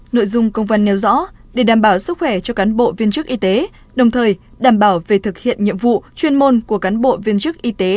nội dung công văn nêu rõ để đảm bảo sức khỏe cho cán bộ viên chức y tế đồng thời đảm bảo về thực hiện nhiệm vụ chuyên môn của cán bộ viên chức y tế